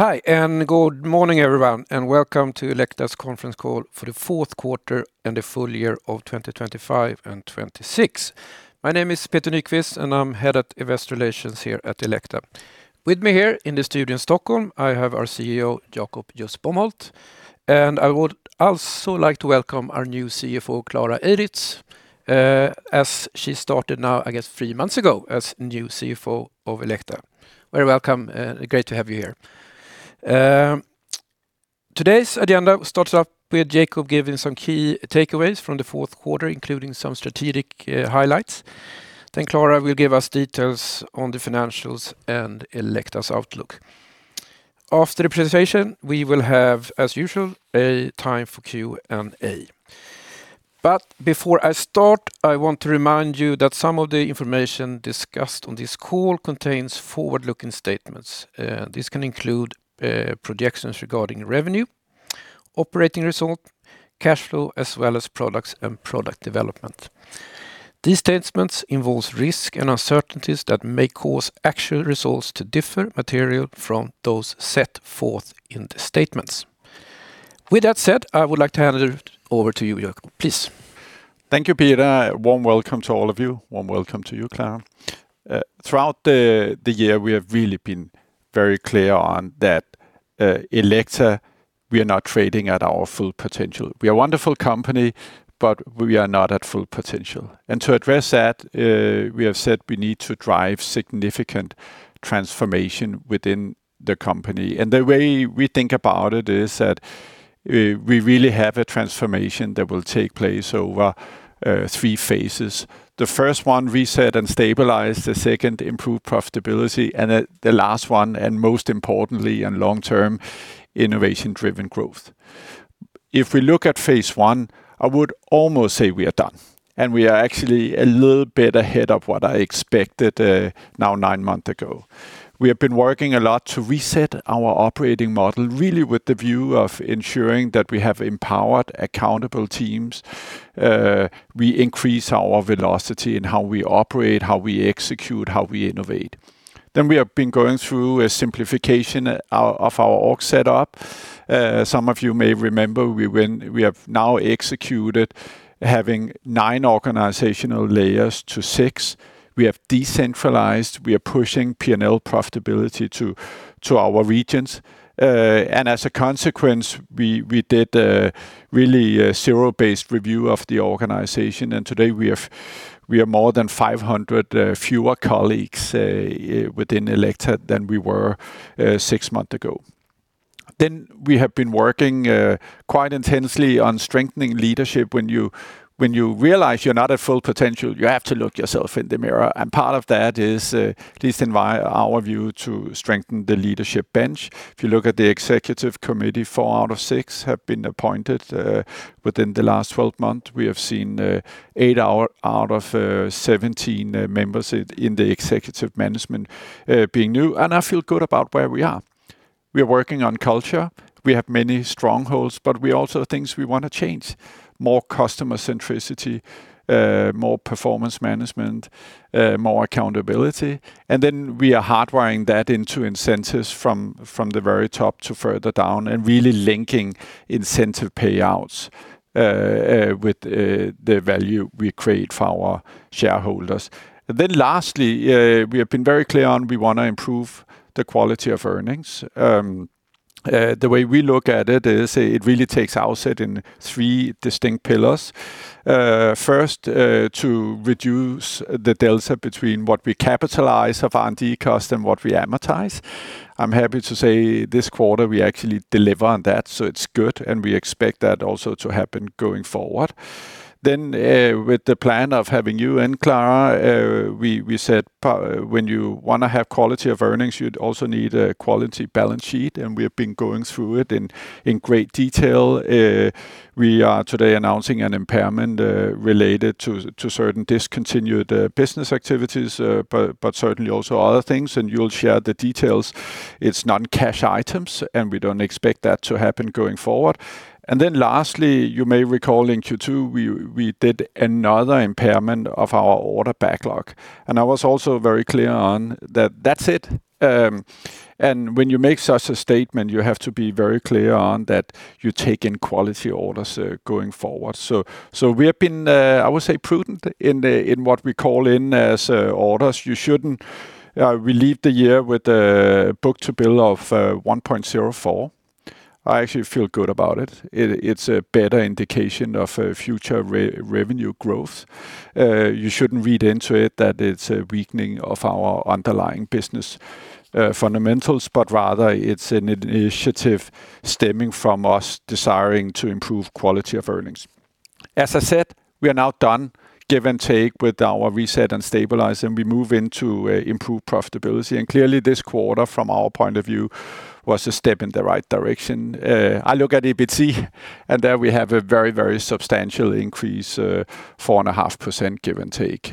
Good morning, everyone, and welcome to Elekta's conference call for the fourth quarter and the full year of 2025 and 2026. My name is Peter Nyquist, and I'm Head of Investor Relations here at Elekta. With me here in the studio in Stockholm, I have our CEO, Jakob Just-Bomholt, and I would also like to welcome our new CFO, Klara Eiritz, as she started now, I guess, three months ago as new CFO of Elekta. Very welcome. Great to have you here. Today's agenda starts off with Jakob giving some key takeaways from the fourth quarter, including some strategic highlights. Klara will give us details on the financials and Elekta's outlook. After the presentation, we will have, as usual, a time for Q&A. Before I start, I want to remind you that some of the information discussed on this call contains forward-looking statements. This can include projections regarding revenue, operating result, cash flow, as well as products and product development. These statements involve risks and uncertainties that may cause actual results to differ materially from those set forth in the statements. With that said, I would like to hand it over to you, Jakob, please. Thank you, Peter. A warm welcome to all of you. Warm welcome to you, Klara. Throughout the year, we have really been very clear on that Elekta, we are not trading at our full potential. We are a wonderful company, but we are not at full potential. To address that, we have said we need to drive significant transformation within the company. The way we think about it is that we really have a transformation that will take place over three phases. The first one, reset and stabilize. The second, improve profitability, and the last one, and most importantly, and long term, innovation-driven growth. If we look at phase I, I would almost say we are done, and we are actually a little bit ahead of what I expected now nine months ago. We have been working a lot to reset our operating model, really with the view of ensuring that we have empowered, accountable teams. We increase our velocity in how we operate, how we execute, how we innovate. We have been going through a simplification of our org setup. Some of you may remember we have now executed having nine organizational layers to six. We have decentralized. We are pushing P&L profitability to our regions. As a consequence, we did a really zero-based review of the organization. Today we have more than 500 fewer colleagues within Elekta than we were six months ago. We have been working quite intensely on strengthening leadership. When you realize you're not at full potential, you have to look yourself in the mirror. Part of that is, at least in our view, to strengthen the leadership bench. If you look at the executive committee, four out of six have been appointed within the last 12 months. We have seen eight out of 17 members in the executive management being new. I feel good about where we are. We are working on culture. We have many strongholds. We also have things we want to change, more customer centricity, more performance management, more accountability. We are hardwiring that into incentives from the very top to further down and really linking incentive payouts with the value we create for our shareholders. Lastly, we have been very clear on we want to improve the quality of earnings. The way we look at it is it really takes outset in three distinct pillars. First, to reduce the delta between what we capitalize of R&D cost and what we amortize. I am happy to say this quarter we actually deliver on that. It is good. We expect that also to happen going forward. With the plan of having you in, Klara, we said when you want to have quality of earnings, you would also need a quality balance sheet. We have been going through it in great detail. We are today announcing an impairment related to certain discontinued business activities, certainly also other things. You will share the details. It is non-cash items. We do not expect that to happen going forward. Lastly, you may recall in Q2, we did another impairment of our order backlog. I was also very clear on that that is it. When you make such a statement, you have to be very clear on that you take in quality orders going forward. We have been, I would say, prudent in what we call in as orders. We leave the year with a book-to-bill of 1.04. I actually feel good about it. It's a better indication of future revenue growth. Rather it's an initiative stemming from us desiring to improve quality of earnings. As I said, we are now done, give and take, with our reset and stabilize, we move into improve profitability. Clearly this quarter, from our point of view, was a step in the right direction. I look at EBITDA, there we have a very substantial increase, 4.5%, give and take,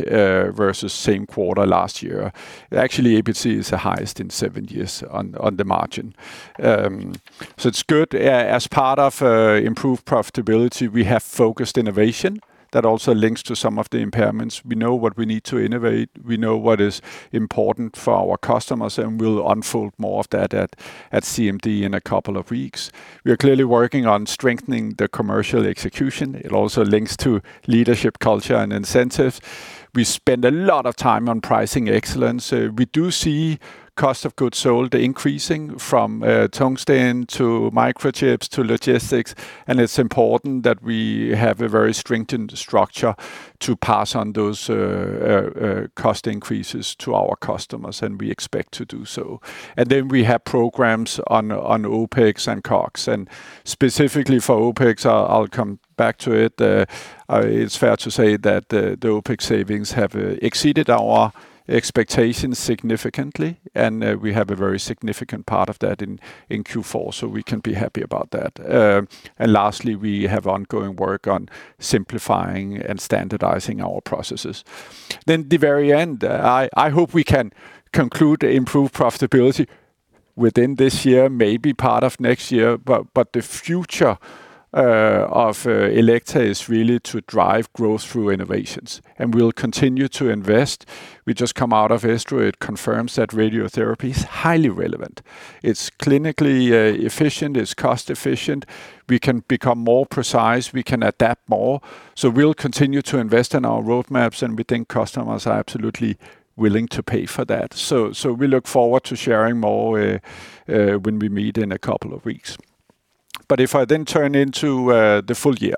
versus same quarter last year. Actually, EBITDA is the highest in seven years on the margin. It's good. As part of improved profitability, we have focused innovation that also links to some of the impairments. We know what we need to innovate, we know what is important for our customers. We'll unfold more of that at CMD in a couple of weeks. We are clearly working on strengthening the commercial execution. It also links to leadership culture and incentives. We spend a lot of time on pricing excellence. We do see cost of goods sold increasing from tungsten to microchips to logistics. It's important that we have a very strengthened structure to pass on those cost increases to our customers. We expect to do so. We have programs on OpEx and CapEx. Specifically for OpEx, I'll come back to it. It's fair to say that the OpEx savings have exceeded our expectations significantly. We have a very significant part of that in Q4. We can be happy about that. Lastly, we have ongoing work on simplifying and standardizing our processes. At the very end, I hope we can conclude improved profitability within this year, maybe part of next year. The future of Elekta is really to drive growth through innovations. We'll continue to invest. We just come out of ESTRO. It confirms that radiotherapy is highly relevant. It's clinically efficient, it's cost efficient. We can become more precise. We can adapt more. We'll continue to invest in our roadmaps. We think customers are absolutely willing to pay for that. We look forward to sharing more when we meet in a couple of weeks. If I turn into the full year,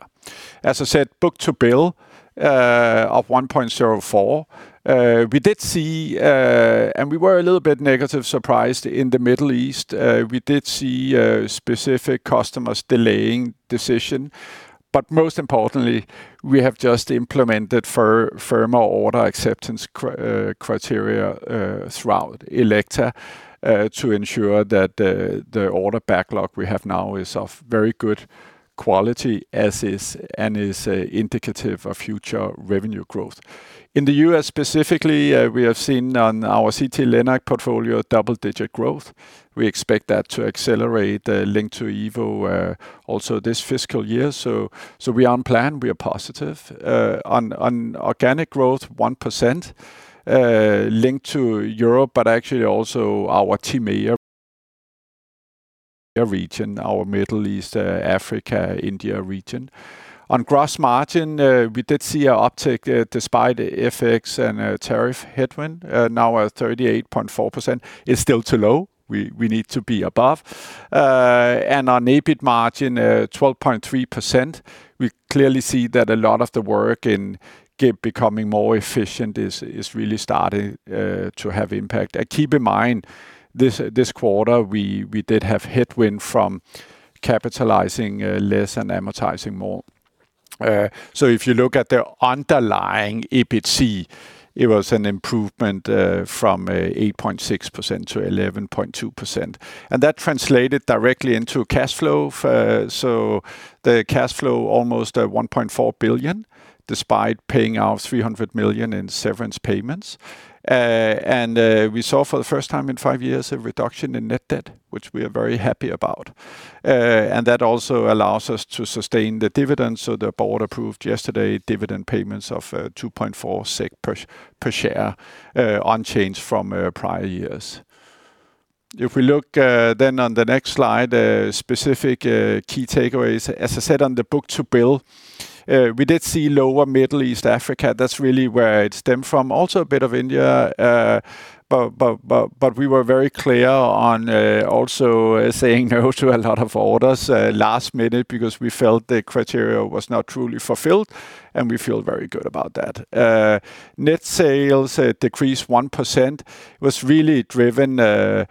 as I said, book to bill of 1.04. We did see, we were a little bit negatively surprised in the Middle East. We did see specific customers delaying decision, most importantly, we have just implemented firmer order acceptance criteria throughout Elekta to ensure that the order backlog we have now is of very good quality, and is indicative of future revenue growth. In the U.S. specifically, we have seen on our CT-Linac portfolio double-digit growth. We expect that to accelerate linked to Evo also this fiscal year. We are on plan. We are positive. On organic growth, 1% linked to Europe, actually also our TIMEA region, our Middle East, Africa, India region. On gross margin, we did see an uptick despite FX and tariff headwind. Now at 38.4%, it's still too low. We need to be above. On EBIT margin, 12.3%. We clearly see that a lot of the work in becoming more efficient is really starting to have impact. Keep in mind, this quarter, we did have headwind from capitalizing less and amortizing more. If you look at the underlying EBITDA, it was an improvement from 8.6% to 11.2%, and that translated directly into cash flow. The cash flow almost 1.4 billion, despite paying out 300 million in severance payments. We saw for the first time in five years a reduction in net debt, which we are very happy about. That also allows us to sustain the dividends. The board approved yesterday dividend payments of 2.4 SEK per share, unchanged from prior years. If we look then on the next slide, specific key takeaways, as I said on the book-to-bill, we did see lower Middle East, Africa. That's really where it stemmed from. A bit of India. We were very clear on also saying no to a lot of orders last minute because we felt the criteria was not truly fulfilled, and we feel very good about that. Net sales decreased 1%, was really driven a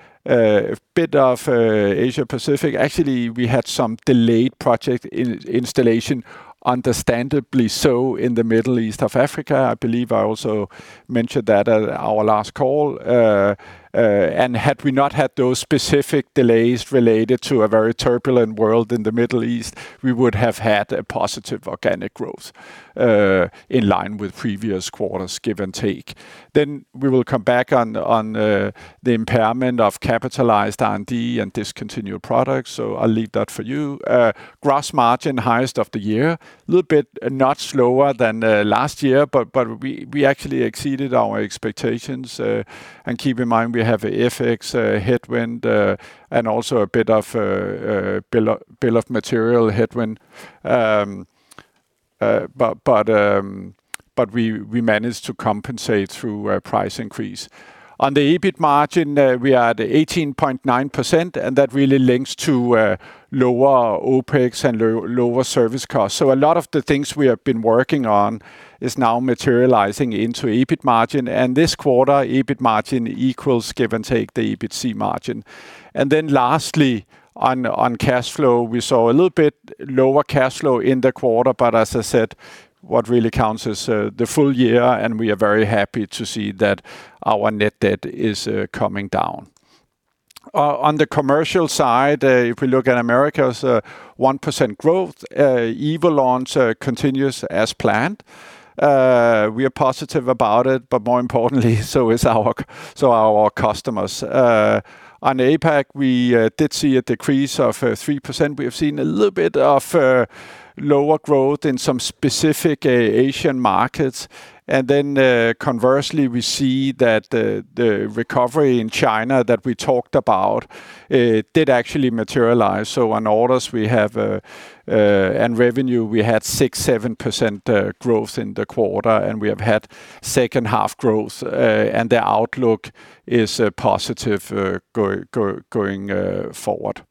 bit by Asia-Pacific. Actually, we had some delayed project installation, understandably so, in the Middle East and Africa. I believe I also mentioned that at our last call. Had we not had those specific delays related to a very turbulent world in the Middle East, we would have had a positive organic growth in line with previous quarters, give and take. We will come back on the impairment of capitalized R&D and discontinued products. I'll leave that for you. Gross margin, highest of the year, a little bit, not slower than last year, we actually exceeded our expectations. Keep in mind we have FX headwind and also a bit of bill of material headwind. We managed to compensate through a price increase. On the EBIT margin, we are at 18.9%, and that really links to lower OpEx and lower service costs. A lot of the things we have been working on is now materializing into EBIT margin. This quarter, EBIT margin equals give and take the EBITDA margin. Lastly on cash flow, we saw a little bit lower cash flow in the quarter, but as I said, what really counts is the full year, and we are very happy to see that our net debt is coming down. On the commercial side, if we look at Americas, 1% growth. Evo launch continues as planned. We are positive about it, but more importantly, so are our customers. On APAC, we did see a decrease of 3%. We have seen a little bit of lower growth in some specific Asian markets, conversely, we see that the recovery in China that we talked about did actually materialize. On orders and revenue, we had 6%, 7% growth in the quarter, and we have had second half growth. The outlook is positive going forward.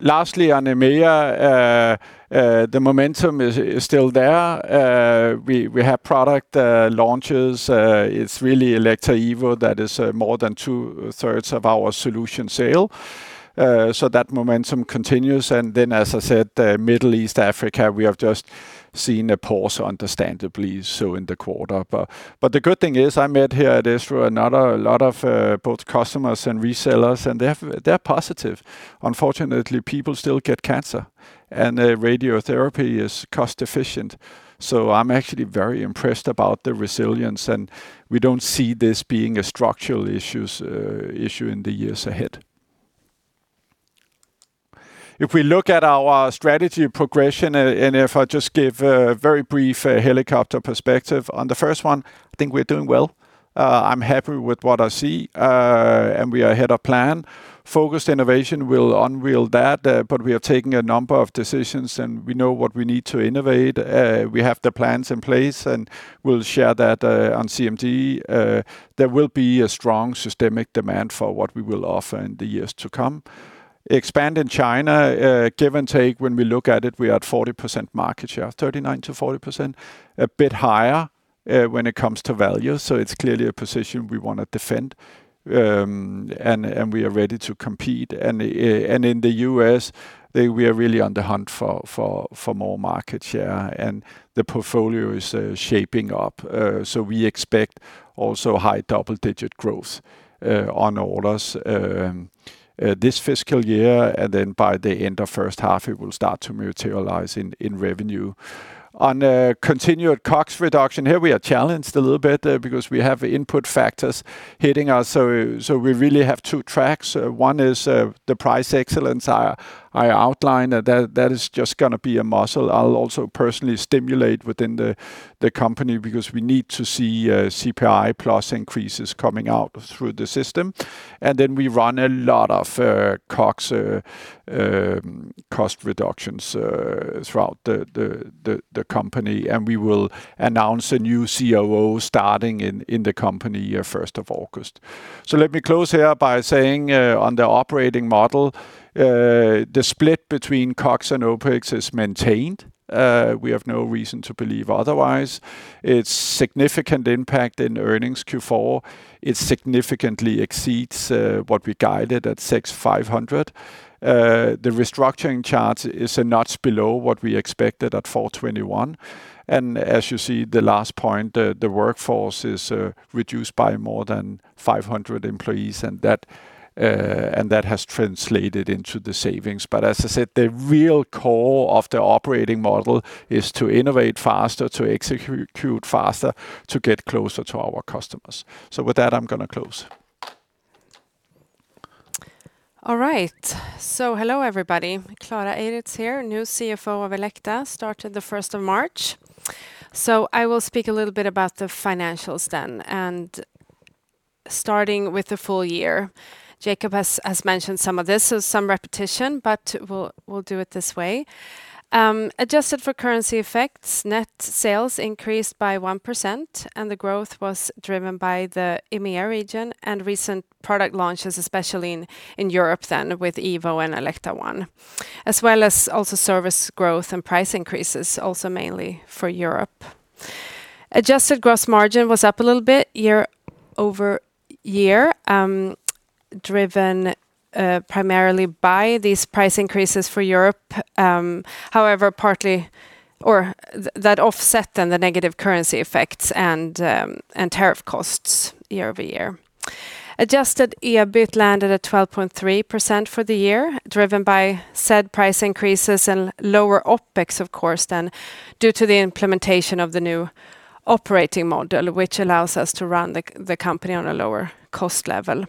Lastly on EMEA, the momentum is still there. We have product launches. It's really Elekta Evo that is more than two-thirds of our solution sale. That momentum continues. As I said, Middle East, Africa, we have just seen a pause, understandably so in the quarter. The good thing is, I met here at ESTRO, a lot of both customers and resellers, and they're positive. Unfortunately, people still get cancer, and radiotherapy is cost efficient. I'm actually very impressed about the resilience, and we don't see this being a structural issue in the years ahead. If we look at our strategy progression, and if I just give a very brief helicopter perspective on the first one, I think we're doing well. I'm happy with what I see. We are ahead of plan. Focused innovation, we'll unveil that, but we are taking a number of decisions, and we know what we need to innovate. We have the plans in place, and we'll share that on CMD. There will be a strong systemic demand for what we will offer in the years to come. Expand in China, give and take, when we look at it, we are at 40% market share, 39%-40%. A bit higher when it comes to value, so it's clearly a position we want to defend. We are ready to compete. In the U.S., we are really on the hunt for more market share, and the portfolio is shaping up. We expect also high double-digit growth on orders this fiscal year, and then by the end of first half, it will start to materialize in revenue. On continued COGS reduction, here we are challenged a little bit because we have input factors hitting us. We really have two tracks. One is the price excellence I outlined. That is just going to be a muscle. I will also personally stimulate within the company because we need to see CPI plus increases coming out through the system. Then we run a lot of COGS cost reductions throughout the company, and we will announce a new COO starting in the company 1st of August. Let me close here by saying on the operating model, the split between COGS and OpEx is maintained. We have no reason to believe otherwise. Its significant impact in earnings Q4, it significantly exceeds what we guided at 500 million. The restructuring charge is a notch below what we expected at 421. As you see, the last point, the workforce is reduced by more than 500 employees, and that has translated into the savings. As I said, the real core of the operating model is to innovate faster, to execute faster, to get closer to our customers. With that, I'm going to close. All right. Hello, everybody. Klara Eiritz here, new CFO of Elekta, started the 1st of March. I will speak a little bit about the financials then. Starting with the full year, Jakob has mentioned some of this, so some repetition, but we'll do it this way. Adjusted for currency effects, net sales increased by 1%, and the growth was driven by the EMEA region and recent product launches, especially in Europe then with Evo and Elekta ONE, as well as also service growth and price increases also mainly for Europe. Adjusted gross margin was up a little bit year-over-year, driven primarily by these price increases for Europe. However, partly, or that offset then the negative currency effects and tariff costs year-over-year. Adjusted EBIT landed at 12.3% for the year, driven by said price increases and lower OpEx, of course then, due to the implementation of the new operating model, which allows us to run the company on a lower cost level.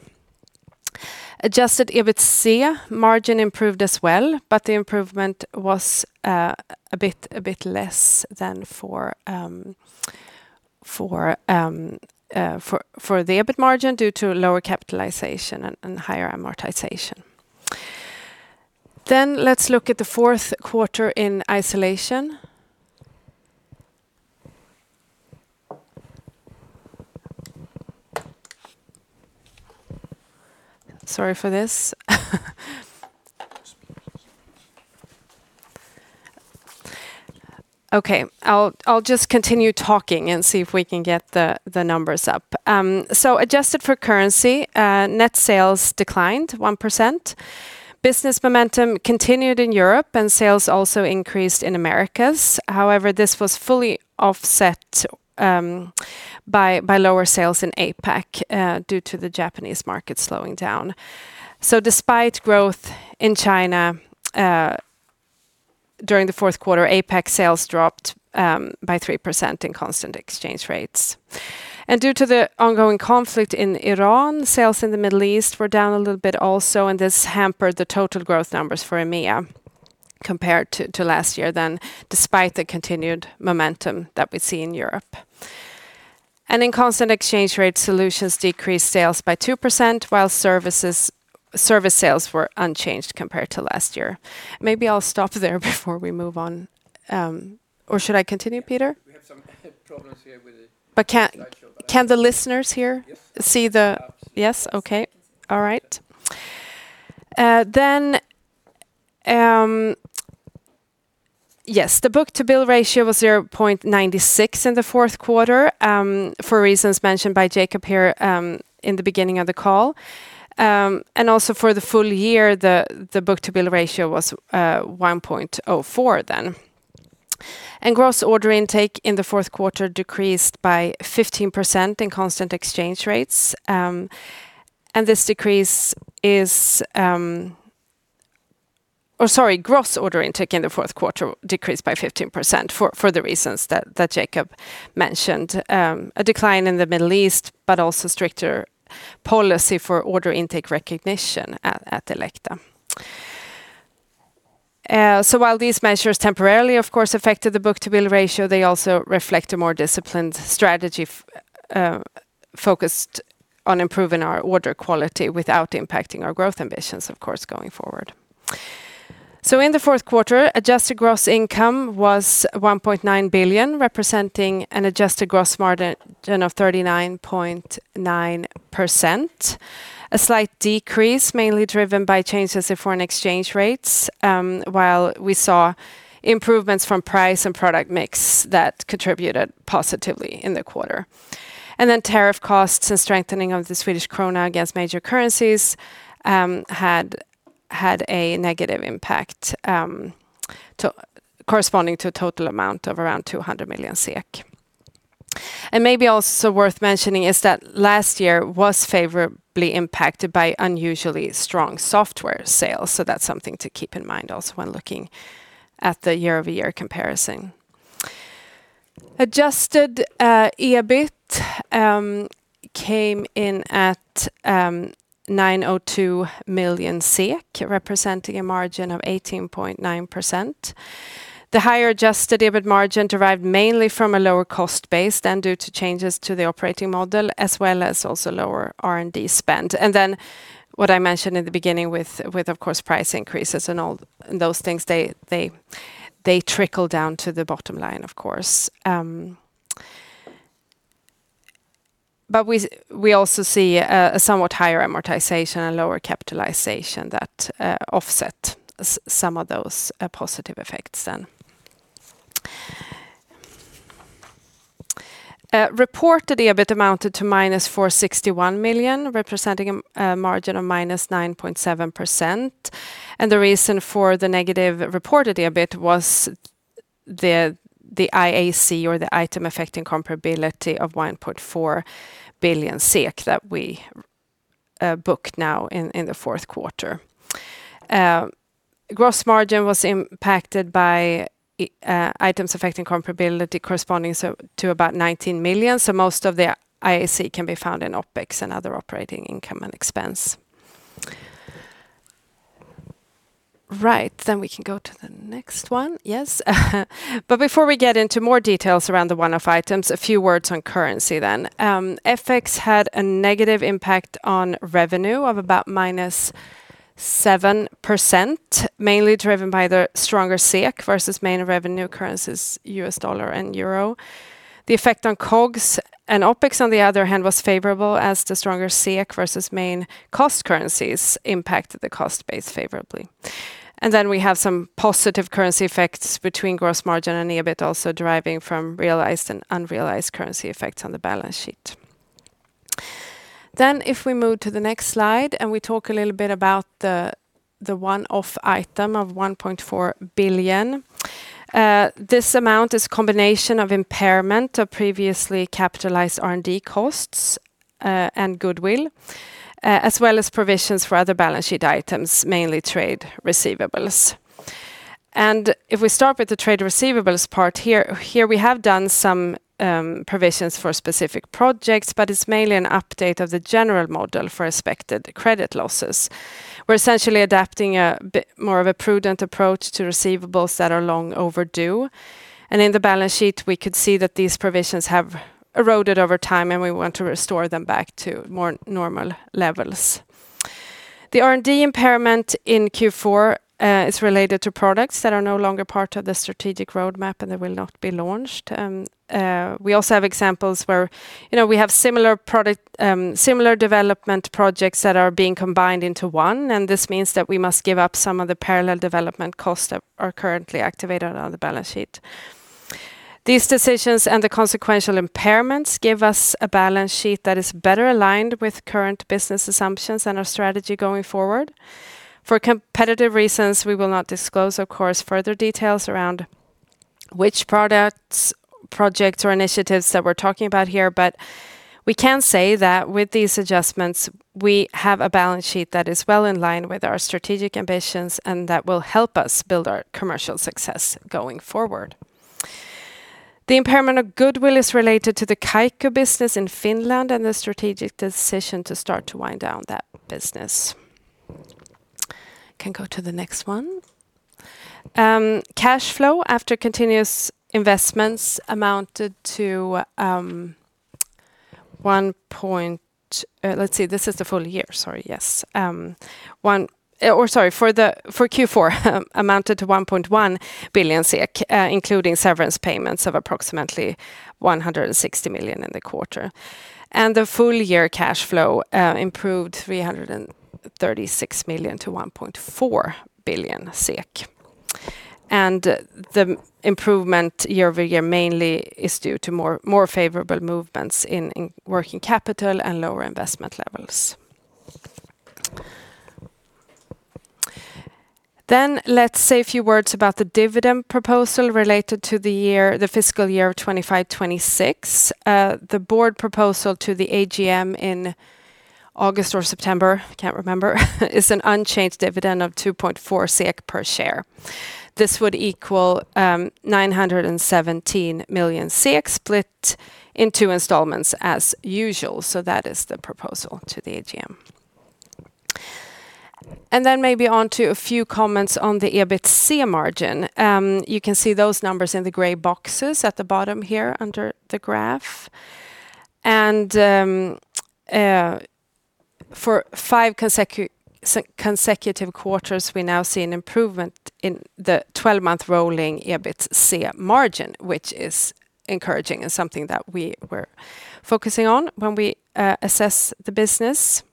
Adjusted EBITDA margin improved as well, but the improvement was a bit less than for the EBIT margin due to lower capitalization and higher amortization. Let's look at the fourth quarter in isolation. Sorry for this. Okay. I'll just continue talking and see if we can get the numbers up. Adjusted for currency, net sales declined 1%. Business momentum continued in Europe and sales also increased in Americas. However, this was fully offset by lower sales in APAC due to the Japanese market slowing down. Despite growth in China, during the fourth quarter, APAC sales dropped by 3% in constant exchange rates. Due to the ongoing conflict in Iran, sales in the Middle East were down a little bit also, and this hampered the total growth numbers for EMEA compared to last year then, despite the continued momentum that we see in Europe. In constant exchange rates solutions decreased sales by 2%, while service sales were unchanged compared to last year. Maybe I'll stop there before we move on. Should I continue, Peter? We have some problems here with the slideshow. Can the listeners hear? Yes. Yes? Okay. All right. Yes, the book-to-bill ratio was 0.96 in the fourth quarter, for reasons mentioned by Jakob here in the beginning of the call. Also for the full year, the book-to-bill ratio was 1.04 then. Gross order intake in the fourth quarter decreased by 15% in constant exchange rates. Gross order intake in the fourth quarter decreased by 15% for the reasons that Jakob mentioned. A decline in the Middle East, but also stricter policy for order intake recognition at Elekta. While these measures temporarily, of course, affected the book-to-bill ratio, they also reflect a more disciplined strategy, focused on improving our order quality without impacting our growth ambitions, of course, going forward. In the fourth quarter, adjusted gross income was 1.9 billion, representing an adjusted gross margin of 39.9%. A slight decrease, mainly driven by changes in foreign exchange rates, while we saw improvements from price and product mix that contributed positively in the quarter. Tariff costs and strengthening of the Swedish krona against major currencies had a negative impact corresponding to a total amount of around 200 million SEK. Maybe also worth mentioning is that last year was favorably impacted by unusually strong software sales. That's something to keep in mind also when looking at the year-over-year comparison. Adjusted EBIT came in at 902 million SEK, representing a margin of 18.9%. The higher adjusted EBIT margin derived mainly from a lower cost base than due to changes to the operating model, as well as also lower R&D spend. What I mentioned in the beginning with, of course, price increases and all those things, they trickle down to the bottom line, of course. We also see a somewhat higher amortization and lower capitalization that offset some of those positive effects then. Reported EBIT amounted to minus 461 million, representing a margin of -9.7%. The reason for the negative reported EBIT was the IAC, or the item affecting comparability, of 1.4 billion SEK that we booked now in the fourth quarter. Gross margin was impacted by items affecting comparability corresponding to about 19 million. Most of the IAC can be found in OpEx and other operating income and expense. Right. We can go to the next one. Yes? Before we get into more details around the one-off items, a few words on currency then. FX had a negative impact on revenue of about -7%, mainly driven by the stronger SEK versus main revenue currencies, U.S. dollar and euro. The effect on COGS and OpEx, on the other hand, was favorable as the stronger SEK versus main cost currencies impacted the cost base favorably. We have some positive currency effects between gross margin and EBIT also deriving from realized and unrealized currency effects on the balance sheet. If we move to the next slide and we talk a little bit about the one-off item of 1.4 billion. This amount is a combination of impairment of previously capitalized R&D costs, and goodwill, as well as provisions for other balance sheet items, mainly trade receivables. If we start with the trade receivables part here, we have done some provisions for specific projects, but it's mainly an update of the general model for expected credit losses. We're essentially adapting a bit more of a prudent approach to receivables that are long overdue, and in the balance sheet, we could see that these provisions have eroded over time, and we want to restore them back to more normal levels. The R&D impairment in Q4 is related to products that are no longer part of the strategic roadmap and that will not be launched. We also have examples where we have similar development projects that are being combined into one, and this means that we must give up some of the parallel development costs that are currently activated on the balance sheet. These decisions and the consequential impairments give us a balance sheet that is better aligned with current business assumptions and our strategy going forward. For competitive reasons, we will not disclose, of course, further details around which products, projects, or initiatives that we're talking about here, but we can say that with these adjustments, we have a balance sheet that is well in line with our strategic ambitions and that will help us build our commercial success going forward. The impairment of goodwill is related to the Kaiku business in Finland and the strategic decision to start to wind down that business. Can go to the next one. Cash flow after continuous investments amounted to Let's see. This is the full year, sorry. Yes. Or, sorry, for Q4, amounted to 1.1 billion SEK, including severance payments of approximately 160 million SEK in the quarter. The full year cash flow improved 336 million SEK to 1.4 billion SEK. The improvement year-over-year mainly is due to more favorable movements in working capital and lower investment levels. Let's say a few words about the dividend proposal related to the fiscal year of 2025, 2026. The board proposal to the AGM in August or September, can't remember, is an unchanged dividend of 2.4 SEK per share. This would equal 917 million SEK split in two installments as usual. That is the proposal to the AGM. Maybe on to a few comments on the EBITDA margin. You can see those numbers in the gray boxes at the bottom here under the graph. For five consecutive quarters, we now see an improvement in the 12-month rolling EBITDA margin, which is encouraging and something that we were focusing on when we assess the business.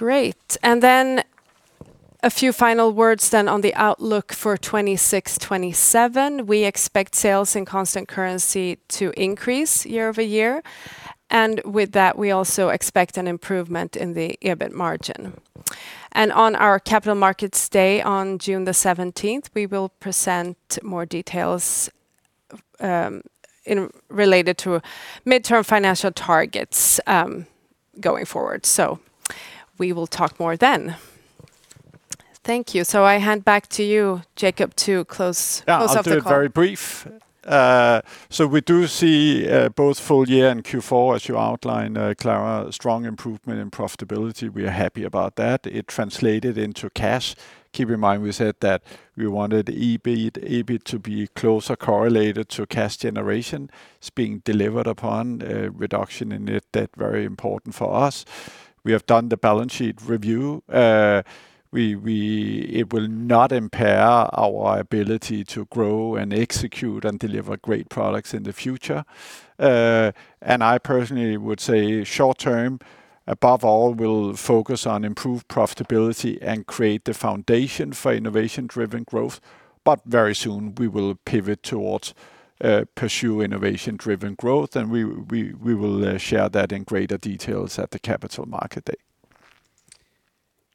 Great. A few final words on the outlook for 2026, 2027. We expect sales in constant currency to increase year-over-year. With that, we also expect an improvement in the EBIT margin. On our Capital Markets Day on June 17th, we will present more details related to midterm financial targets going forward. We will talk more then. Thank you. I hand back to you, Jakob, to close off the call. I'll do it very brief. We do see both full year and Q4, as you outlined, Klara, strong improvement in profitability. We are happy about that. It translated into cash. Keep in mind, we said that we wanted EBIT to be closer correlated to cash generation. It's being delivered upon, a reduction in it, that very important for us. We have done the balance sheet review. It will not impair our ability to grow and execute and deliver great products in the future. I personally would say short term, above all, we'll focus on improved profitability and create the foundation for innovation-driven growth. Very soon we will pivot towards pursue innovation-driven growth, and we will share that in greater details at the Capital Markets Day.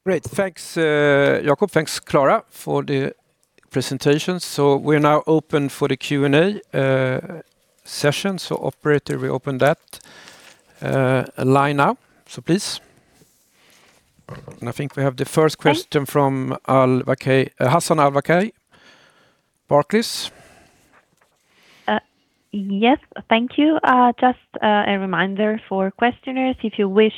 Great. Thanks, Jakob. Thanks, Klara, for the presentation. We are now open for the Q&A session. Operator, we open that line now, so please. I think we have the first question from Hassan Al-Wakeel, Barclays. Yes. Thank you. Just a reminder for questioners, if you wish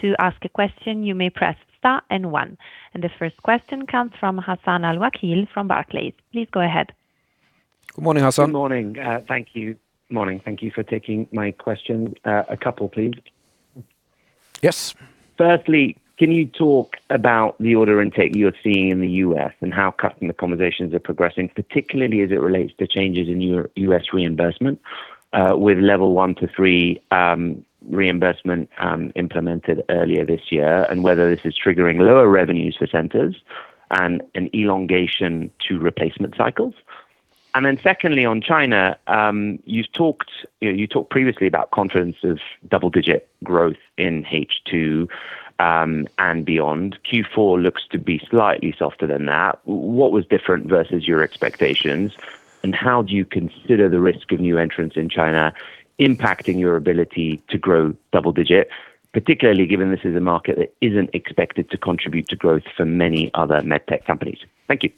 to ask a question, you may press star and one. The first question comes from Hassan Al-Wakeel from Barclays. Please go ahead. Good morning, Hassan. Good morning. Thank you. Morning. Thank you for taking my question. A couple, please. Yes. Can you talk about the order intake you're seeing in the U.S. and how customer conversations are progressing, particularly as it relates to changes in U.S. reimbursement, with level one to three reimbursement implemented earlier this year, and whether this is triggering lower revenues for centers and an elongation to replacement cycles? Secondly, on China, you talked previously about confidence of double-digit growth in H2, and beyond. Q4 looks to be slightly softer than that. What was different versus your expectations, and how do you consider the risk of new entrants in China impacting your ability to grow double digit, particularly given this is a market that isn't expected to contribute to growth for many other med tech companies? Thank you.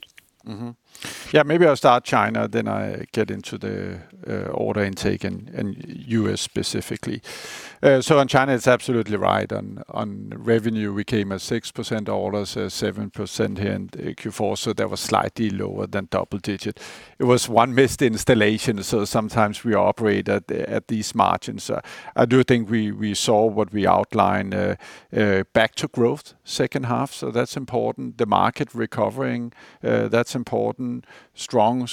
Yeah, maybe I'll start China, then I get into the order intake and U.S. specifically. In China, it's absolutely right. On revenue, we came at 6% orders, 7% here in Q4, so that was slightly lower than double digit. It was one missed installation, so sometimes we operate at these margins. I do think we saw what we outlined, back to growth second half, so that's important. The market recovering, that's important. Strong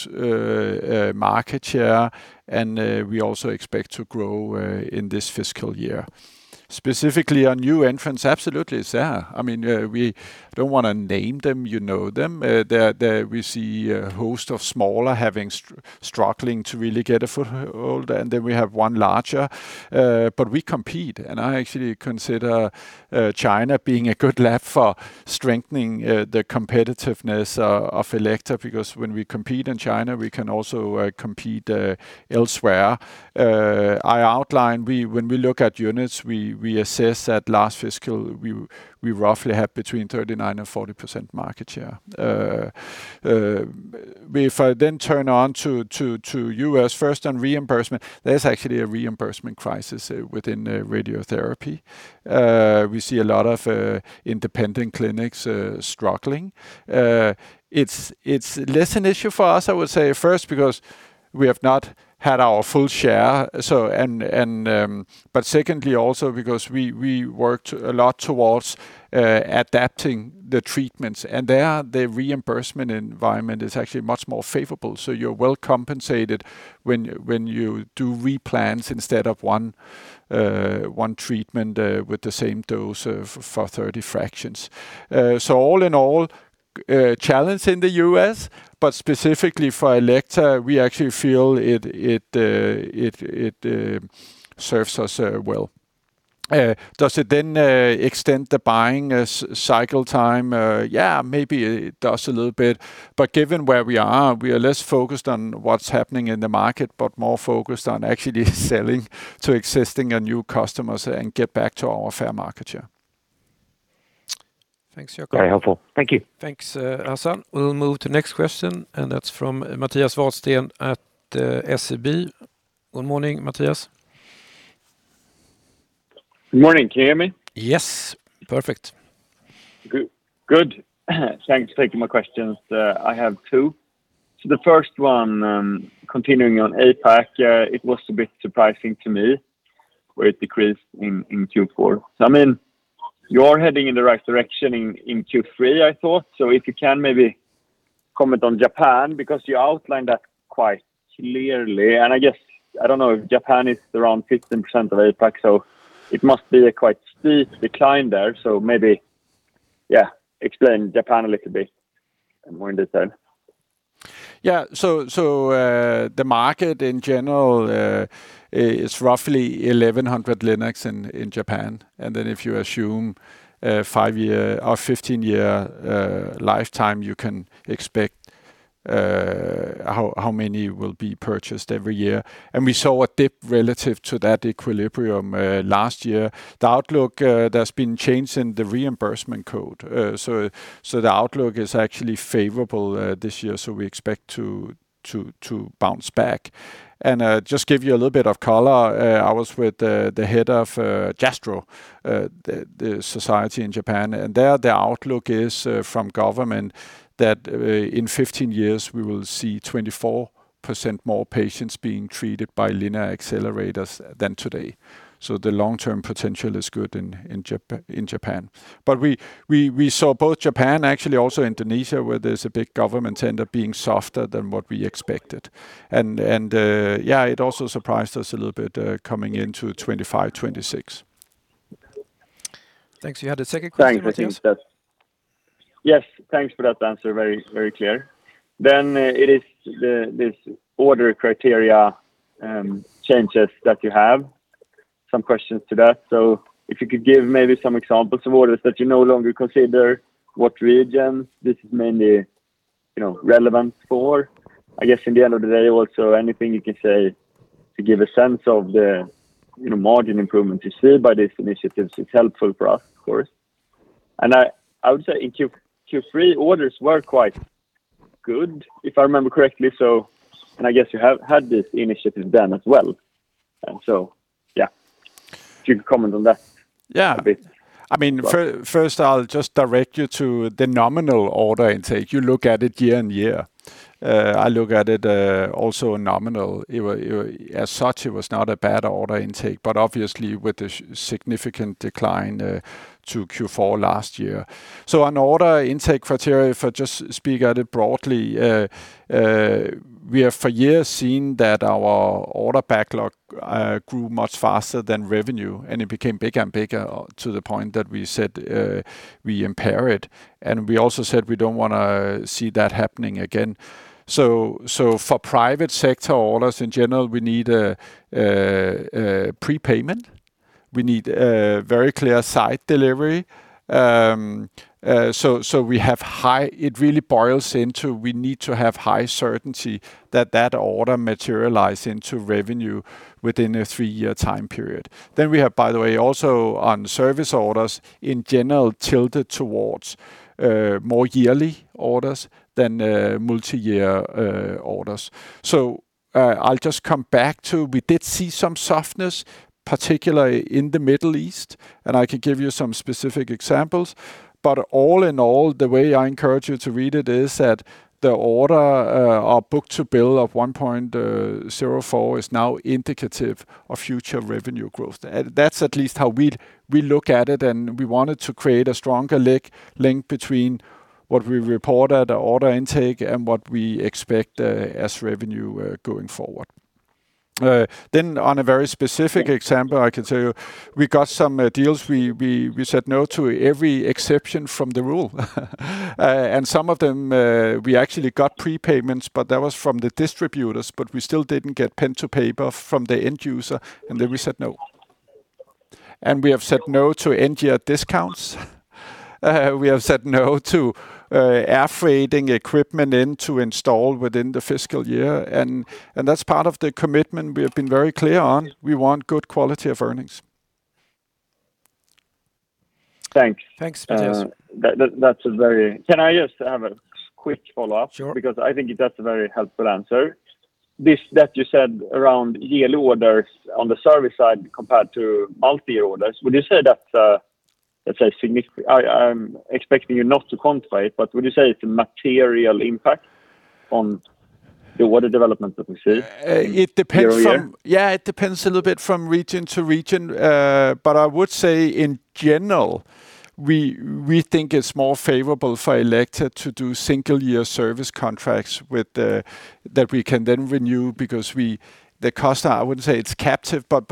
market share, and we also expect to grow in this fiscal year. Specifically on new entrants, absolutely, it's there. We don't want to name them. You know them. We see a host of smaller struggling to really get a foothold, and then we have one larger. We compete, and I actually consider China being a good lab for strengthening the competitiveness of Elekta, because when we compete in China, we can also compete elsewhere. I outlined, when we look at units, we assess that last fiscal, we roughly had between 39% and 40% market share. If I then turn on to U.S. first on reimbursement, there's actually a reimbursement crisis within radiotherapy. We see a lot of independent clinics struggling. It's less an issue for us, I would say, first because we have not had our full share, secondly also because we worked a lot towards adapting the treatments, and there the reimbursement environment is actually much more favorable. You're well compensated when you do replans instead of one treatment with the same dose for 30 fractions. All in all, a challenge in the U.S., specifically for Elekta, we actually feel it serves us well. Does it then extend the buying cycle time? Yeah, maybe it does a little bit, but given where we are, we are less focused on what's happening in the market, but more focused on actually selling to existing and new customers and get back to our fair market share. Thanks, Jakob. Very helpful. Thank you. Thanks, Hassan. We'll move to next question, and that's from Mattias Vadsten at SEB. Good morning, Mattias. Good morning. Can you hear me? Yes. Perfect. Good. Thanks for taking my questions. I have two. The first one, continuing on APAC, it was a bit surprising to me where it decreased in Q4. You're heading in the right direction in Q3, I thought, so if you can maybe comment on Japan, because you outlined that quite clearly, and I don't know if Japan is around 15% of APAC, so it must be a quite steep decline there. Maybe explain Japan a little bit in more detail. Yeah. The market in general is roughly 1,100 linacs in Japan. If you assume 15-year lifetime, you can expect how many will be purchased every year. We saw a dip relative to that equilibrium last year. The outlook, there's been change in the reimbursement code. The outlook is actually favorable this year, so we expect to bounce back. Just give you a little bit of color, I was with the head of JASTRO, the society in Japan, and there the outlook is from government that in 15 years we will see 24% more patients being treated by linear accelerators than today. The long-term potential is good in Japan. We saw both Japan, actually also Indonesia, where there's a big government tender being softer than what we expected. Yeah, it also surprised us a little bit, coming into 2025, 2026. Thanks. You had a second question, I think. Yes. Thanks for that answer. Very clear. It is this order criteria changes that you have, some questions to that. If you could give maybe some examples of orders that you no longer consider, what regions this is mainly relevant for. I guess in the end of the day, also, anything you can say to give a sense of the margin improvement you see by these initiatives is helpful for us, of course. I would say in Q3, orders were quite good, if I remember correctly, so and I guess you have had these initiatives then as well. Yeah, if you could comment on that a bit. Yeah. First I'll just direct you to the nominal order intake. You look at it year-over-year. I look at it also on nominal. As such, it was not a bad order intake, but obviously with the significant decline to Q4 last year. On order intake criteria, if I just speak at it broadly, we have for years seen that our order backlog grew much faster than revenue, and it became bigger and bigger to the point that we said we impair it. We also said we don't want to see that happening again. For private sector orders in general, we need a prepayment. We need a very clear site delivery. It really boils into we need to have high certainty that that order materialize into revenue within a three-year time period. We have, by the way, also on service orders, in general, tilted towards more yearly orders than multi-year orders. I'll just come back to, we did see some softness, particularly in the Middle East, and I can give you some specific examples. All in all, the way I encourage you to read it is that the order or book-to-bill of 1.04 is now indicative of future revenue growth. That's at least how we look at it, and we wanted to create a stronger link between what we report at order intake and what we expect as revenue going forward. On a very specific example, I can tell you, we got some deals we said no to every exception from the rule. Some of them, we actually got prepayments, but that was from the distributors, but we still didn't get pen to paper from the end user, then we said no. We have said no to end-year discounts. We have said no to airfreighting equipment in to install within the fiscal year. That's part of the commitment we have been very clear on. We want good quality of earnings. Thanks. Thanks, Mattias. Can I just have a quick follow-up? Sure. I think that's a very helpful answer. This that you said around yearly orders on the service side compared to multi-year orders, would you say it's a material impact on the order development that we see year-over-year? It depends a little bit from region to region. I would say in general, we think it's more favorable for Elekta to do single-year service contracts that we can then renew because the customer, I wouldn't say it's captive, but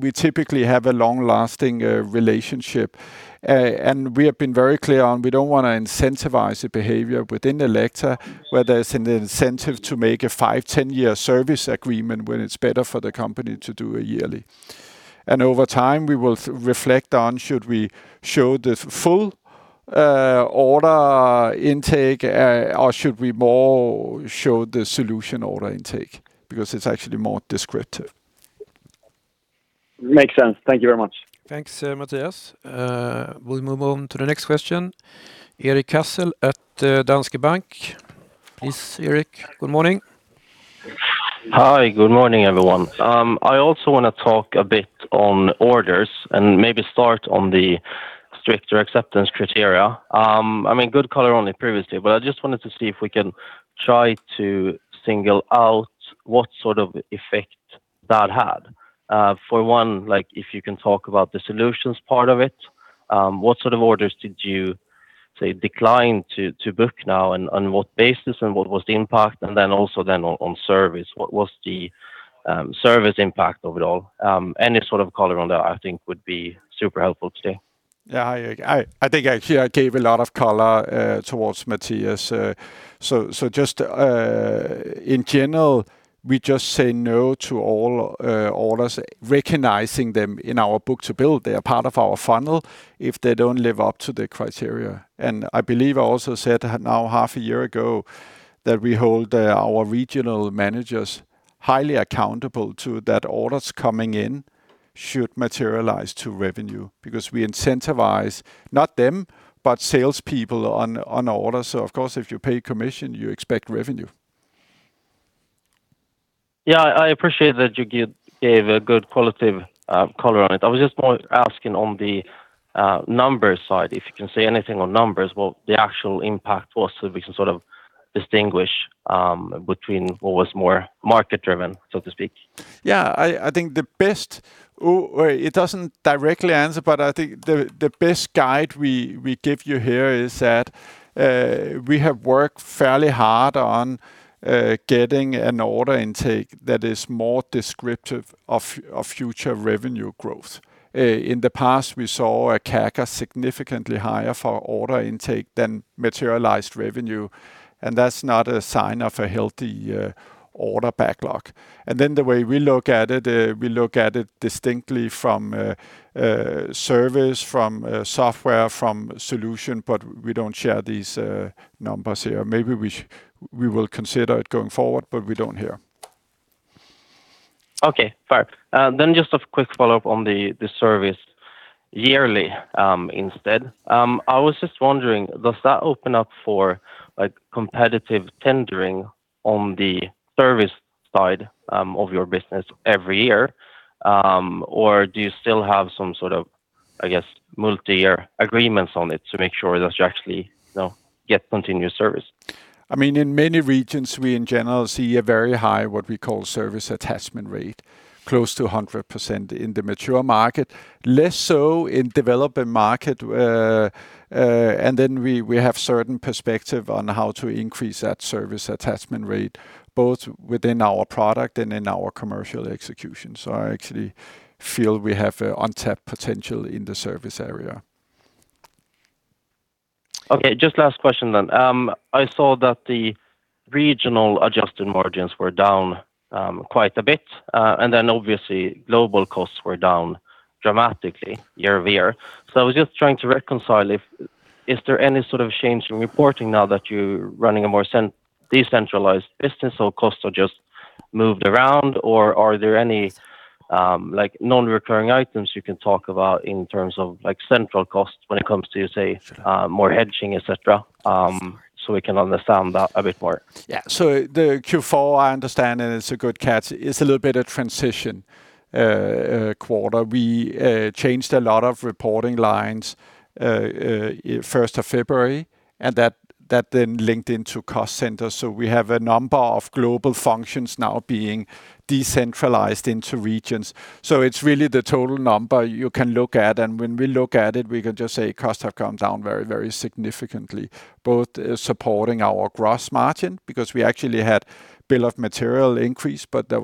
we typically have a long-lasting relationship. We have been very clear on, we don't want to incentivize a behavior within Elekta where there's an incentive to make a five, 10-year service agreement when it's better for the company to do a yearly. Over time, we will reflect on should we show the full order intake, or should we more show the solution order intake because it's actually more descriptive. Makes sense. Thank you very much. Thanks, Mattias. We'll move on to the next question. Erik Cassel at Danske Bank. Please, Erik, good morning. Hi. Good morning, everyone. I also want to talk a bit on orders and maybe start on the stricter acceptance criteria. Good color on it previously. I just wanted to see if we can try to single out what sort of effect that had. For one, if you can talk about the solutions part of it, what sort of orders did you, say, decline to book now, and on what basis, and what was the impact? Also then on service, what was the service impact of it all? Any sort of color on that I think would be super helpful today. Yeah. I think I gave a lot of color towards Mattias. Just in general, we just say no to all orders, recognizing them in our book-to-bill. They are part of our funnel if they don't live up to the criteria. I believe I also said now half a year ago that we hold our regional managers highly accountable to that orders coming in should materialize to revenue because we incentivize not them, but salespeople on orders. Of course, if you pay commission, you expect revenue. Yeah. I appreciate that you gave a good qualitative color on it. I was just more asking on the numbers side, if you can say anything on numbers, what the actual impact was so we can sort of distinguish between what was more market-driven, so to speak. Yeah, I think the best, or it doesn't directly answer, but I think the best guide we give you here is that we have worked fairly hard on getting an order intake that is more descriptive of future revenue growth. In the past, we saw a CAGR significantly higher for order intake than materialized revenue, and that's not a sign of a healthy order backlog. The way we look at it, we look at it distinctly from service, from software, from solution, but we don't share these numbers here. Maybe we will consider it going forward, but we don't here. Okay. Fair. Just a quick follow-up on the service yearly instead. I was just wondering, does that open up for competitive tendering on the service side of your business every year? Or do you still have some sort of, I guess, multi-year agreements on it to make sure that you actually get continuous service? In many regions, we in general see a very high, what we call service attachment rate, close to 100% in the mature market, less so in developing market. Then we have certain perspective on how to increase that service attachment rate, both within our product and in our commercial execution. I actually feel we have untapped potential in the service area. Okay, just last question then. I saw that the regional adjusted margins were down quite a bit, obviously global costs were down dramatically year-over-year. I was just trying to reconcile if there is any sort of change in reporting now that you're running a more decentralized business, or costs are just moved around, or are there any non-recurring items you can talk about in terms of central costs when it comes to, say, more hedging, et cetera, so we can understand that a bit more? Yeah. The Q4, I understand, and it's a good catch. It's a little bit of transition quarter. We changed a lot of reporting lines the 1st of February, and that then linked into cost centers. We have a number of global functions now being decentralized into regions. It's really the total number you can look at. When we look at it, we can just say costs have come down very, very significantly, both supporting our gross margin, because we actually had bill of material increase, but that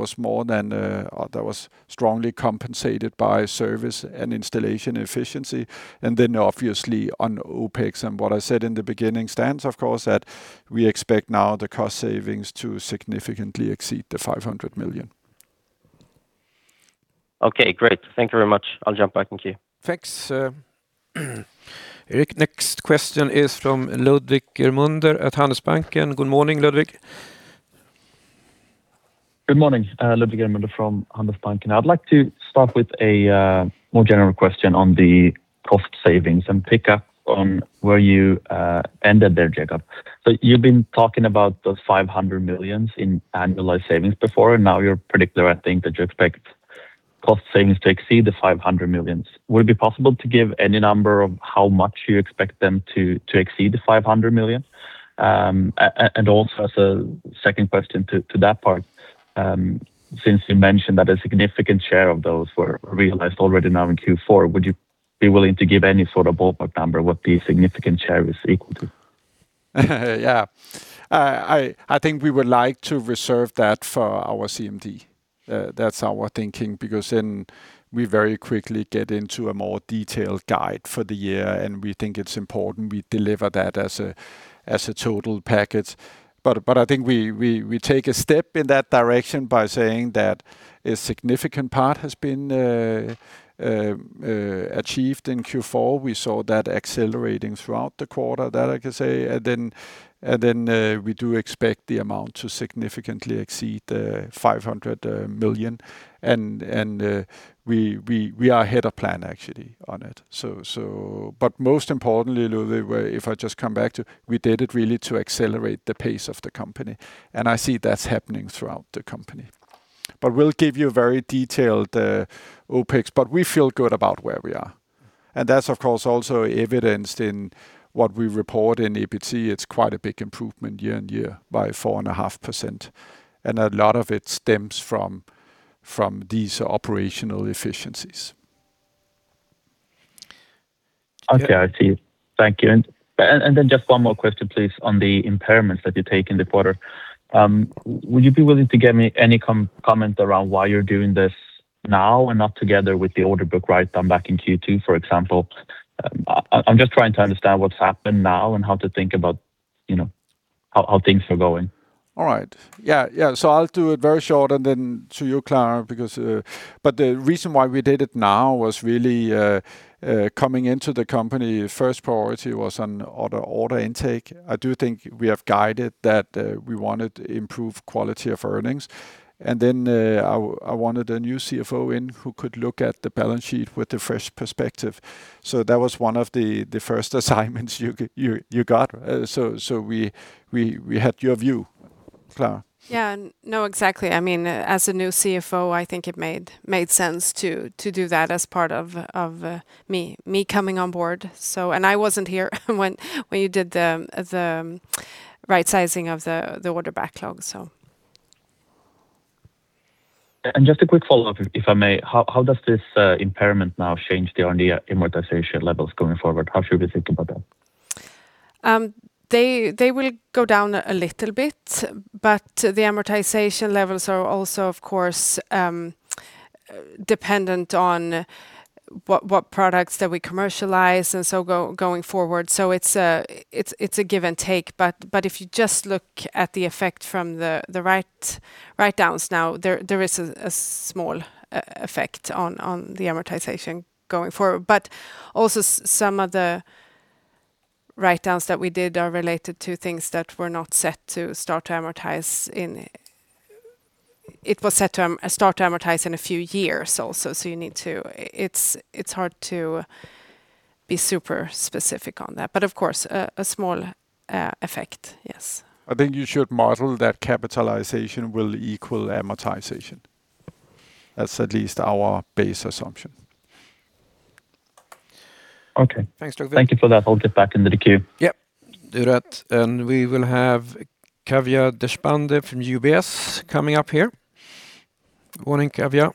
was strongly compensated by service and installation efficiency. Then obviously on OpEx and what I said in the beginning stands, of course, that we expect now the cost savings to significantly exceed 500 million. Okay, great. Thank you very much. I'll jump back in queue. Thanks, Erik. Next question is from Ludvig Germunder at Handelsbanken. Good morning, Ludvig. Good morning, Ludvig Germunder from Handelsbanken. I'd like to start with a more general question on the cost savings and pick up on where you ended there, Jakob. You've been talking about those 500 million in annualized savings before, and now you're predicting, I think, that you expect cost savings to exceed the 500 million. Would it be possible to give any number of how much you expect them to exceed the 500 million? As a second question to that part, since you mentioned that a significant share of those were realized already now in Q4, would you be willing to give any sort of ballpark number what the significant share is equal to? Yeah. I think we would like to reserve that for our CMD. That's our thinking, because then we very quickly get into a more detailed guide for the year, and we think it's important we deliver that as a total package. I think we take a step in that direction by saying that a significant part has been achieved in Q4. We saw that accelerating throughout the quarter, that I can say. We do expect the amount to significantly exceed the 500 million. We are ahead of plan actually on it. Most importantly, Ludvig, if I just come back to, we did it really to accelerate the pace of the company. I see that's happening throughout the company. We'll give you a very detailed OpEx, but we feel good about where we are. That's of course also evidenced in what we report in EBITDA. It's quite a big improvement year-on-year by 4.5%. A lot of it stems from these operational efficiencies. Okay. I see. Thank you. Just one more question, please, on the impairments that you take in the quarter. Would you be willing to give me any comment around why you're doing this now and not together with the order book write-down back in Q2, for example? I'm just trying to understand what's happened now and how to think about how things are going. All right. Yeah. I'll do it very short and then to you, Klara. The reason why we did it now was really coming into the company, first priority was on order intake. I do think we have guided that we wanted to improve quality of earnings. I wanted a new CFO in who could look at the balance sheet with a fresh perspective. That was one of the first assignments you got. We had your view, Klara. Yeah. No, exactly. As a new CFO, I think it made sense to do that as part of me coming on board. I wasn't here when you did the right sizing of the order backlog. Just a quick follow-up, if I may. How does this impairment now change the R&D amortization levels going forward? How should we think about that? They will go down a little bit, but the amortization levels are also, of course, dependent on what products that we commercialize, and so going forward. It's a give and take, but if you just look at the effect from the write-downs now, there is a small effect on the amortization going forward. Also some of the write-downs that we did are related to things that were not set to start to amortize. It was set to start to amortize in a few years also, so it's hard to be super specific on that. Of course, a small effect, yes. I think you should model that capitalization will equal amortization. That's at least our base assumption. Okay. Thanks, Ludvig. Thank you for that. I'll get back into the queue. Yep. Do that. We will have Kavya Deshpande from UBS coming up here. Morning, Kavya.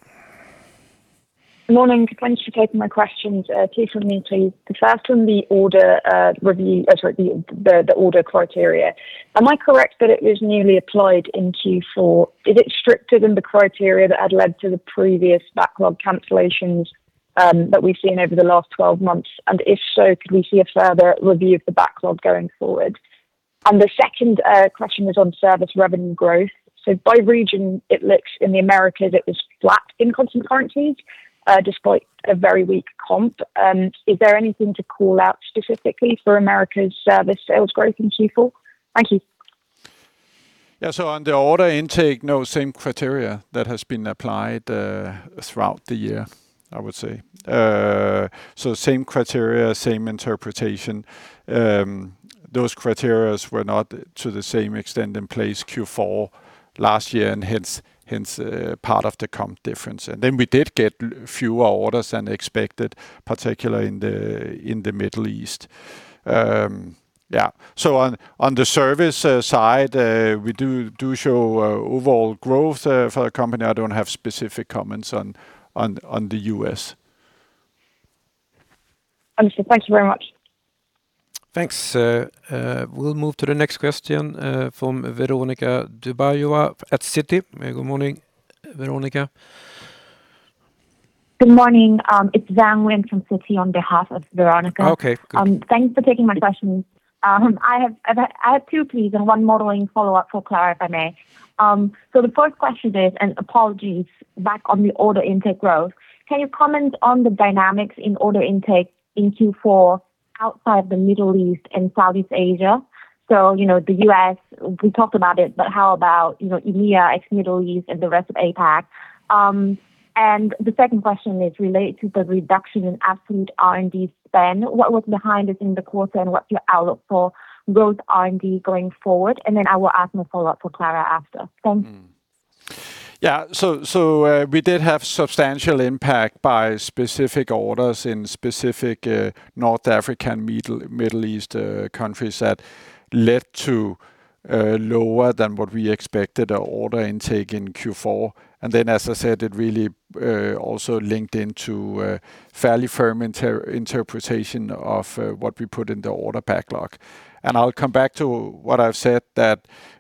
Morning. Thanks for taking my questions. Two from me, please. The first one, the order review, sorry, the order criteria. Am I correct that it was newly applied in Q4? Is it stricter than the criteria that had led to the previous backlog cancellations? That we've seen over the last 12 months. If so, could we see a further review of the backlog going forward? The second question was on service revenue growth. By region, it looks in the Americas, it was flat in constant currencies, despite a very weak comp. Is there anything to call out specifically for America's service sales growth in Q4? Thank you. No, same criteria that has been applied throughout the year, I would say. Same criteria, same interpretation. Those criteria were not to the same extent in place Q4 last year, hence part of the comp difference. We did get fewer orders than expected, particularly in the Middle East. On the service side, we do show overall growth for the company. I don't have specific comments on the U.S. Understood. Thank you very much. Thanks. We'll move to the next question, from Veronika Dubajova at Citi. Good morning, Veronika. Good morning. It's Van Nguyen from Citi on behalf of Veronika. Okay, good. Thanks for taking my questions. I have two, please, and one modeling follow-up for Klara, if I may. The first question is, and apologies, back on the order intake growth, can you comment on the dynamics in order intake in Q4 outside the Middle East and Southeast Asia? The U.S., we talked about it, but how about EMEA, ex Middle East, and the rest of APAC? The second question is related to the reduction in absolute R&D spend. What was behind it in the quarter, and what's your outlook for growth R&D going forward? Then I will ask my follow-up for Klara after. Thanks. Yeah. We did have substantial impact by specific orders in specific North African, Middle East countries that led to lower than what we expected order intake in Q4. Then, as I said, it really also linked into fairly firm interpretation of what we put in the order backlog. I'll come back to what I've said, that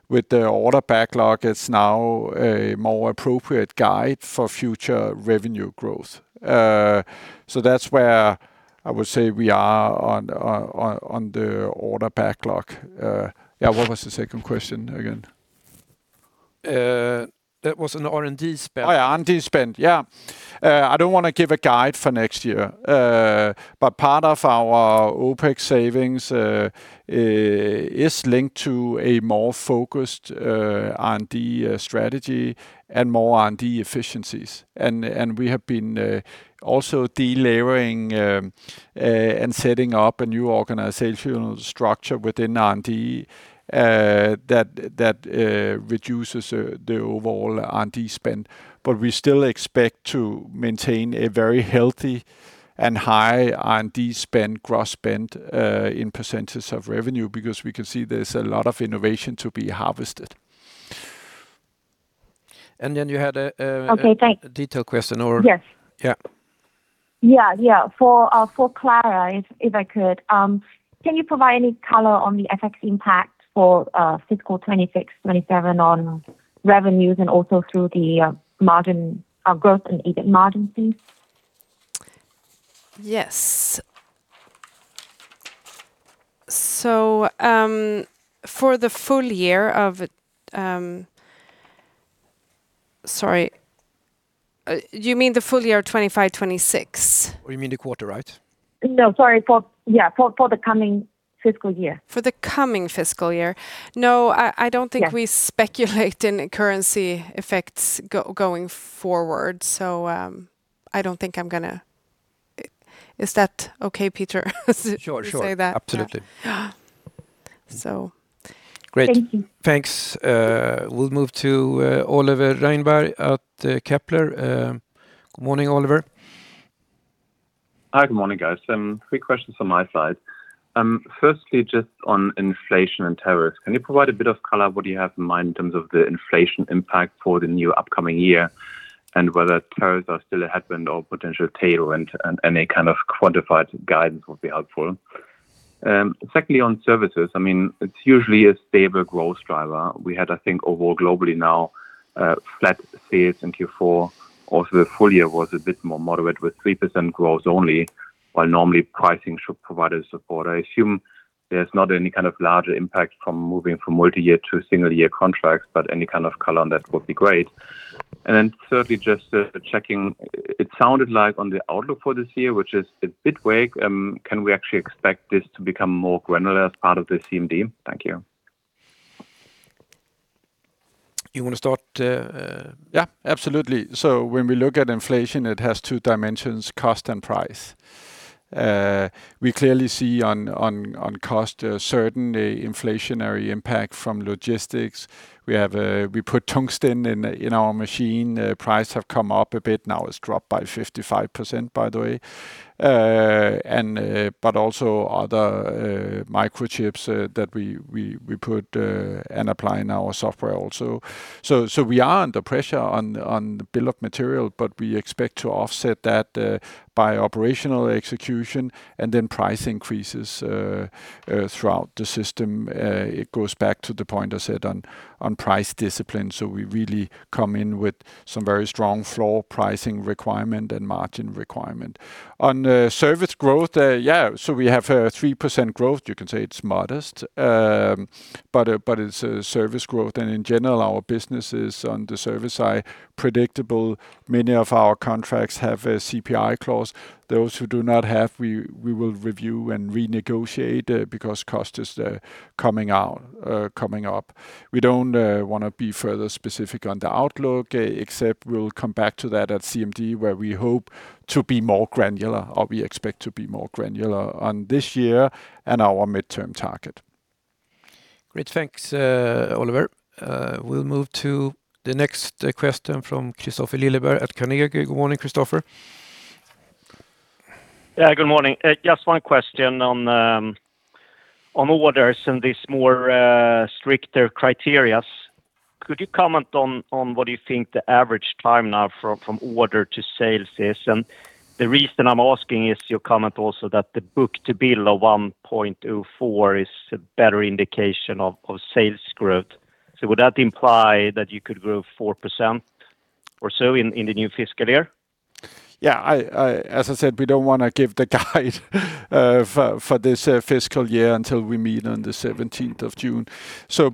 with the order backlog, it's now a more appropriate guide for future revenue growth. That's where I would say we are on the order backlog. Yeah, what was the second question again? That was on R&D spend. Oh, yeah. R&D spend. Yeah. I don't want to give a guide for next year, but part of our OpEx savings is linked to a more focused R&D strategy and more R&D efficiencies. We have been also delevering and setting up a new organizational structure within R&D, that reduces the overall R&D spend. We still expect to maintain a very healthy and high R&D spend, gross spend, in percentage of revenue, because we can see there's a lot of innovation to be harvested. And then you had a- Okay, thanks. detail question, Yes. Yeah. Yeah. For Klara, if I could, can you provide any color on the FX impact for fiscal 2026, 2027 on revenues and also through the margin growth and EBIT margin, please? Yes. For the full year of Sorry, you mean the full year 2025, 2026? You mean the quarter, right? No, sorry. For the coming fiscal year. For the coming fiscal year. No, I don't think we speculate in currency effects going forward. Is that okay, Peter, to say that? Sure. Absolutely. Yeah. Great. Thank you. Thanks. We'll move to Oliver Reinberg at Kepler. Good morning, Oliver. Hi. Good morning, guys. Three questions from my side. Firstly, just on inflation and tariffs, can you provide a bit of color what you have in mind in terms of the inflation impact for the new upcoming year, and whether tariffs are still a headwind or potential tailwind? Any kind of quantified guidance would be helpful. Secondly, on services, it's usually a stable growth driver. We had, I think, overall globally now, flat sales in Q4. Also, the full year was a bit more moderate with 3% growth only, while normally pricing should provide a support. I assume there's not any kind of larger impact from moving from multi-year to single-year contracts, but any kind of color on that would be great. Thirdly, just checking, it sounded like on the outlook for this year, which is a bit vague, can we actually expect this to become more granular as part of the CMD? Thank you. You want to start? Yeah, absolutely. When we look at inflation, it has two dimensions, cost and price. We clearly see on cost a certain inflationary impact from logistics. We put tungsten in our machine. Price have come up a bit, now it's dropped by 55%, by the way. Also other microchips that we put and apply in our software also. We are under pressure on the bill of material, but we expect to offset that by operational execution and then price increases throughout the system. It goes back to the point I said on price discipline. We really come in with some very strong floor pricing requirement and margin requirement. On service growth, yeah, we have 3% growth. You can say it's modest, but it's a service growth, and in general, our business is on the service side predictable. Many of our contracts have a CPI clause. Those who do not have, we will review and renegotiate, because cost is coming up. We don't want to be further specific on the outlook, except we'll come back to that at CMD, where we hope to be more granular, or we expect to be more granular on this year and our midterm target. Great. Thanks, Oliver. We'll move to the next question from Kristofer Liljeberg at Carnegie. Good morning, Kristofer. Good morning. Just one question on orders and these more stricter criteria. Could you comment on what you think the average time now from order to sales is? The reason I'm asking is your comment also that the book-to-bill of 1.04 is a better indication of sales growth. Would that imply that you could grow 4% or so in the new fiscal year? Yeah, as I said, we don't want to give the guide for this fiscal year until we meet on the 17th of June.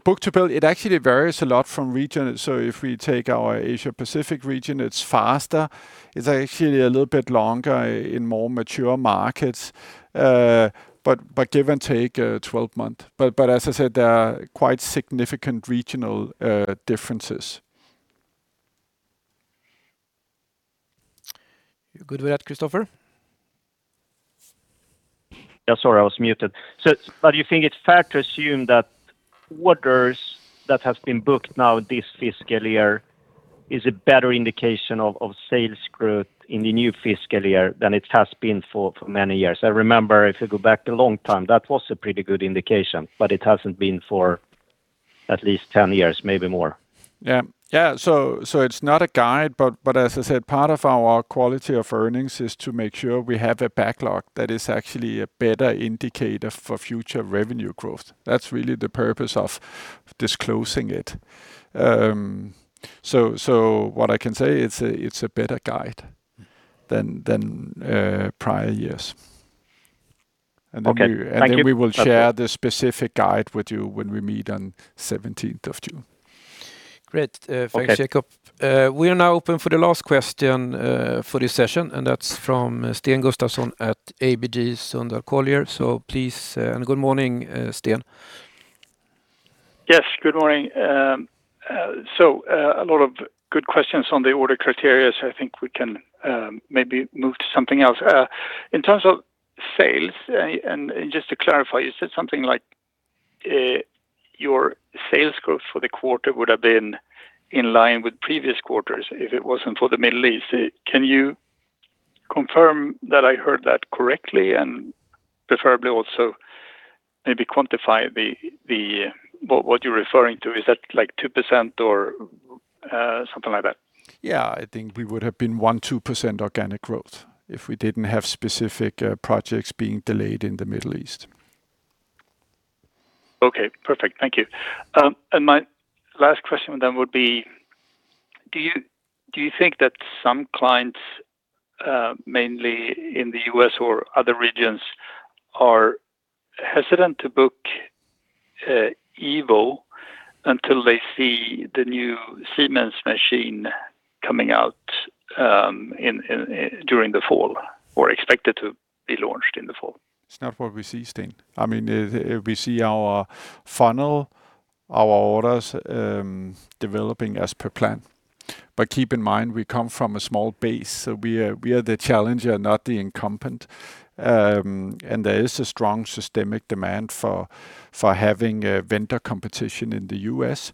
Book to bill, it actually varies a lot from region. If we take our Asia Pacific region, it's faster. It's actually a little bit longer in more mature markets. Give and take, 12 month. As I said, there are quite significant regional differences. You good with that, Kristofer? Yeah, sorry, I was muted. You think it's fair to assume that orders that have been booked now this fiscal year is a better indication of sales growth in the new fiscal year than it has been for many years? I remember if you go back a long time, that was a pretty good indication, but it hasn't been for at least 10 years, maybe more. Yeah. It's not a guide, but as I said, part of our quality of earnings is to make sure we have a backlog that is actually a better indicator for future revenue growth. That's really the purpose of disclosing it. What I can say, it's a better guide than prior years. Okay. Thank you. We will share the specific guide with you when we meet on 17th of June. Great. Thanks, Jakob. We are now open for the last question for this session, and that's from Sten Gustafsson at ABG Sundal Collier. So please, and good morning, Sten. Yes, good morning. A lot of good questions on the order criteria. I think we can maybe move to something else. In terms of sales, and just to clarify, you said something like, your sales growth for the quarter would have been in line with previous quarters if it wasn't for the Middle East. Can you confirm that I heard that correctly, and preferably also maybe quantify what you're referring to? Is that 2% or something like that? I think we would have been 1%, 2% organic growth if we didn't have specific projects being delayed in the Middle East. Okay, perfect. Thank you. My last question would be, do you think that some clients, mainly in the U.S. or other regions, are hesitant to book Evo until they see the new Siemens machine coming out during the fall, or expected to be launched in the fall? It's not what we see, Sten. We see our funnel, our orders, developing as per plan. Keep in mind, we come from a small base, so we are the challenger, not the incumbent. There is a strong systemic demand for having vendor competition in the U.S.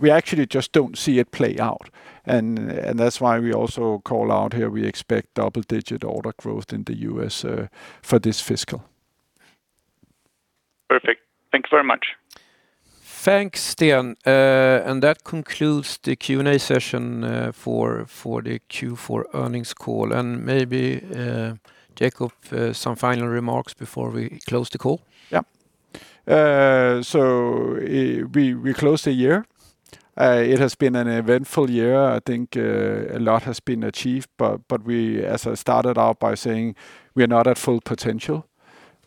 We actually just don't see it play out, and that's why we also call out here, we expect double-digit order growth in the U.S. for this fiscal. Perfect. Thank you very much. Thanks, Sten. That concludes the Q&A session for the Q4 earnings call. Maybe, Jakob, some final remarks before we close the call? Yeah. We closed the year. It has been an eventful year. I think a lot has been achieved. We, as I started out by saying, we are not at full potential.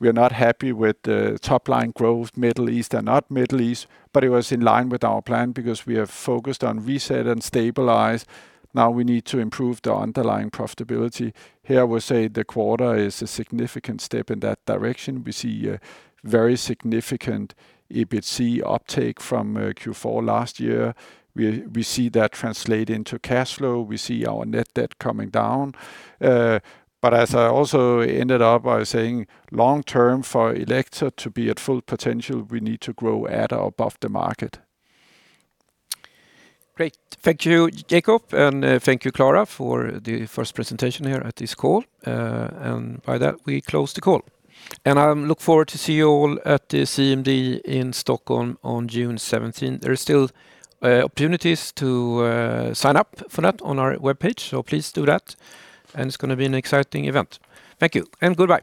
We are not happy with the top line growth, Middle East or not Middle East, but it was in line with our plan because we have focused on reset and stabilize. Now we need to improve the underlying profitability. Here, I will say the quarter is a significant step in that direction. We see a very significant EBITDA uptick from Q4 last year. We see that translate into cash flow. We see our net debt coming down. As I also ended up by saying, long term for Elekta to be at full potential, we need to grow at or above the market. Great. Thank you, Jakob, and thank you, Klara, for the first presentation here at this call. By that, we close the call. I look forward to see you all at the CMD in Stockholm on June 17th. There are still opportunities to sign up for that on our webpage, so please do that, and it's going to be an exciting event. Thank you, and goodbye.